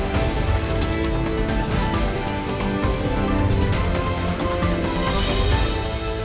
terima kasih banyak atas waktunya